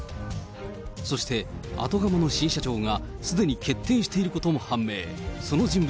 そして、後釜の新社長がすでに決定していることも判明。